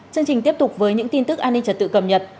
chương trình tiếp tục với những tin tức an ninh trật tự cầm nhật